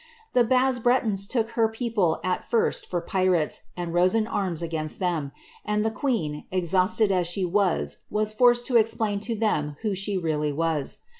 The Bas Bretons took her people at first for pirates, and rose in arms against them ; and the queen, exhausted as she was, was forced to explain to them who she really was.'